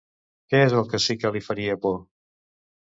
Què és el que sí que li faria por?